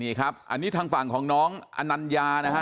นี่ครับอันนี้ทางฝั่งของน้องอนัญญานะฮะ